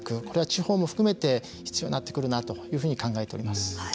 これは地方も含めて必要になってくるなというふうに考えております。